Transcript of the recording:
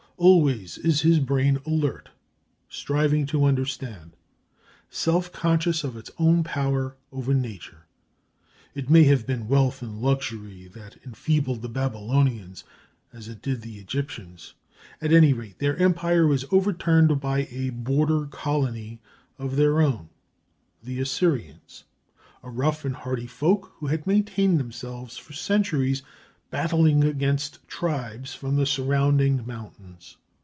Always is his brain alert, striving to understand, self conscious of its own power over nature. It may have been wealth and luxury that enfeebled the Babylonians as, it did the Egyptians. At any rate, their empire was overturned by a border colony of their own, the Assyrians, a rough and hardy folk who had maintained themselves for centuries battling against tribes from the surrounding mountains.